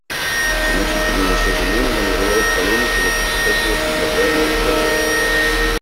Значительное сожаление вызывает полемика вокруг этого предлагаемого договора.